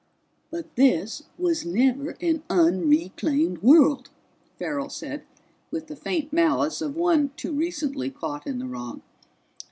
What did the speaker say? "But this was never an unreclaimed world," Farrell said with the faint malice of one too recently caught in the wrong.